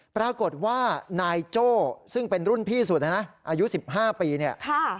ปรากฏว่านายโจ้ซึ่งเป็นรุ่นพี่สุดนะนะอายุ๑๕ปีเนี่ย